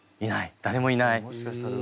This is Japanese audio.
誰もいない。